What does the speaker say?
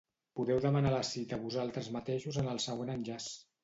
Podeu demanar la cita vosaltres mateixos en el següent enllaç.